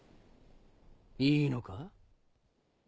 いいのか？